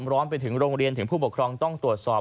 ร้อนไปถึงโรงเรียนถึงผู้ปกครองต้องตรวจสอบ